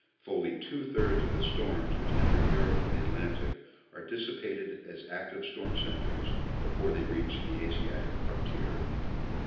Fully two thirds of the storms which enter Europe from the Atlantic are dissipated as active stoi'm centres before they reach the Asiatic frontier.